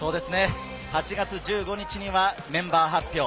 ８月１５日にメンバー発表。